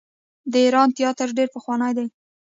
د ایران تیاتر ډیر پخوانی دی.